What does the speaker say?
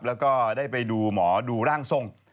แล้วก็ได้ไปดูหมอดูร่างทรง